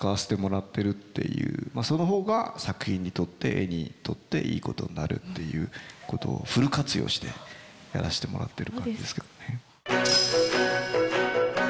その方が作品にとってＡＤにとっていいことになるっていうことをフル活用してやらしてもらってる感じですかね。